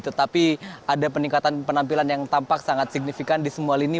tetapi ada peningkatan penampilan yang tampak sangat signifikan di semua lini